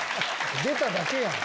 出ただけやん。